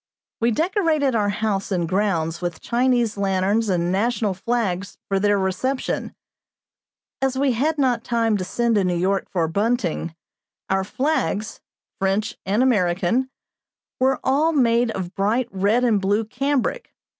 We decorated our house and grounds with Chinese lanterns and national flags for their reception. As we had not time to send to New York for bunting, our flags French and American were all made of bright red and blue cambric.